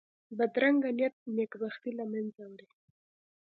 بدرنګه نیت نېک بختي له منځه وړي